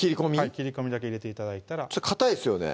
切り込みだけ入れて頂いたらかたいっすよね